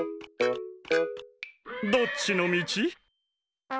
どっちのみち？